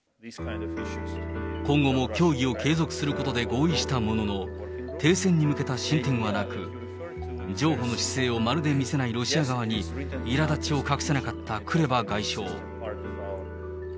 今後も協議を継続することで合意したものの、停戦に向けた進展はなく、譲歩の姿勢をまるで見せないロシア側にいらだちを隠せなかったクレバ外相。